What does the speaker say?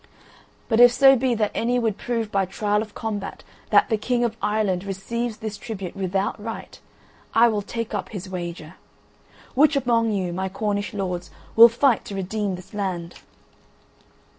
But if so be that any would prove by trial of combat that the King of Ireland receives this tribute without right, I will take up his wager. Which among you, my Cornish lords, will fight to redeem this land?"